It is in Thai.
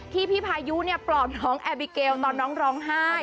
พี่พายุปลอบน้องแอบิเกลตอนน้องร้องไห้